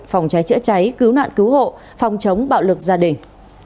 phòng cháy chữa cháy cứu nạn cứu hộ phòng chống bạo lực gia đình